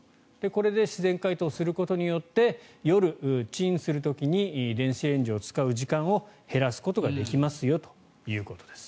これで自然解凍することで夜、チンする時に電子レンジを使う時間を減らすことができますよということです。